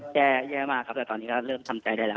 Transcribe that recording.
แย่มากครับแต่ตอนนี้ก็เริ่มทำใจได้แล้ว